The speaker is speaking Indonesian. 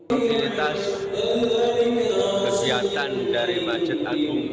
aktivitas kegiatan dari macet agung betur rahman